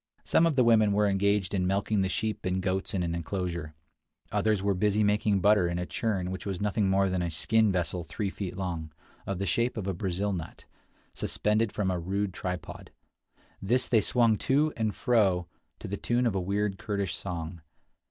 Some of the women were engaged in milking the sheep and goats in an inclosure. Others were busy making butter in a churn which was nothing more than a skin vessel three feet long, of the shape of a Brazil nut, suspended from a rude tripod; this they swung to and fro to the tune of a weird Kurdish song.